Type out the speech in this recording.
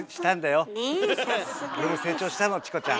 俺も成長したのチコちゃん。